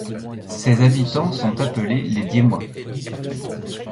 Ses habitants sont appelés les Diennois.